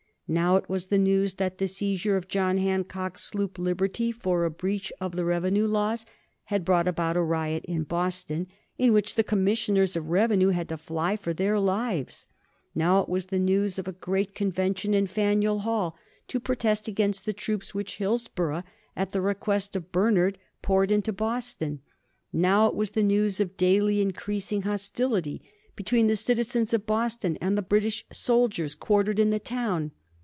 Now it was the news that the seizure of John Hancock's sloop "Liberty" for a breach of the revenue laws had brought about a riot in Boston in which the Commissioners of Revenue had to fly for their lives. Now it was the news of a great convention in Faneuil Hall to protest against the troops which Hillsborough, at the request of Bernard; poured into Boston. Now it was the news of daily increasing hostility between the citizens of Boston and the British soldiers quartered in the town.